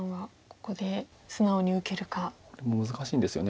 これも難しいんですよね。